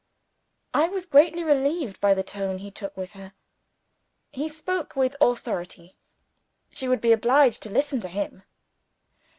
I was greatly relieved by the tone he took with her. He spoke with authority: she would be obliged to listen to him.